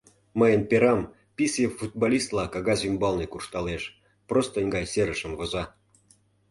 Мыйын перам писе футболистла кагаз ӱмбалне куржталеш, простынь гай серышым воза.